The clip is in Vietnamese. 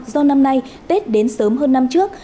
do năm nay tết đến sớm hơn năm trước